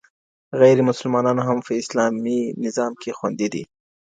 غيرمسلمانان هم په اسلامي نظام کي خوندي دي.